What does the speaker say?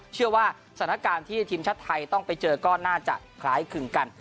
เชื่อว่าสถานการณ์ที่ทีมชาติไทยต้องไปเจอก็น่าจะคล้ายคลึงกัน